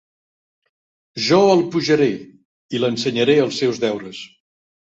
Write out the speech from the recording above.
Jo el pujaré, i l'ensenyaré els seus deures.